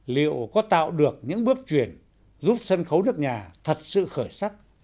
liệu có tạo được những bước chuyển giúp sân khấu nước nhà thật sự khởi sắc